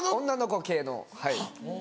女の子系のはい。